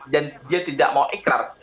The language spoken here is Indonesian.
dan dia tidak mau ikrar